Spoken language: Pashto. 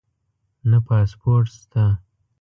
نه پاسپورټ شته